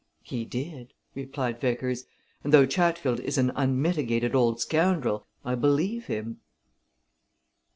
"He did," replied Vickers, "and though Chatfield is an unmitigated old scoundrel, I believe him."